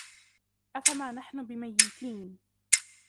أَفَمَا نَحْنُ بِمَيِّتِينَ